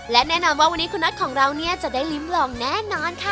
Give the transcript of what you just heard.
และแน่นอนว่าวันนี้คุณน็อตของเราเนี่ยจะได้ลิ้มลองแน่นอนค่ะ